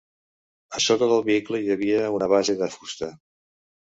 A sota del vehicle hi havia una base de fusta.